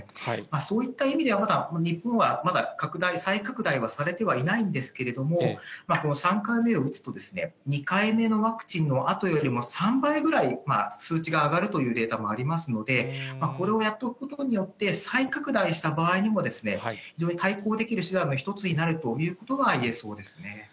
そういった意味では、まだ、日本はまだ拡大、再拡大はされてはいないんですけれども、３回目を打つと、２回目のワクチンのあとよりも３倍ぐらい数値が上がるというデータもありますので、これをやっとくことによって、再拡大した場合にも、非常に対抗できる手段の一つになるということはいえそうですね。